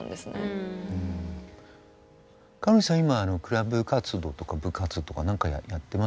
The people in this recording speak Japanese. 今クラブ活動とか部活とか何かやってますか？